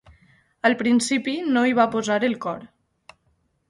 Al principi, no hi va posar el cor.